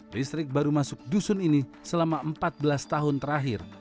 listrik baru masuk dusun ini selama empat belas tahun terakhir